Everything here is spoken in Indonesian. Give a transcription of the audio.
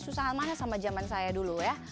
susahan mana sama zaman saya dulu ya